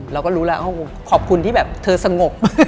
เราก็รู้แล้วขอบคุณที่แบบเธอสงบ